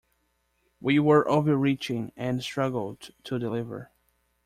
We were overreaching and struggled to deliver.